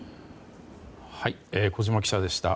小島記者でした。